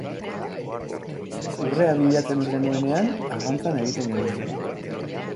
Urrea bilatzen ez genuenean, arrantzan egiten genuen.